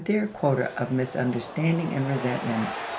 XL added their quota of misunderstanding and resent ment.